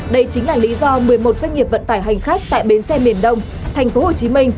đây chính là lý do một mươi một doanh nghiệp vận tải hành khách tại bến xe miền đông tp hcm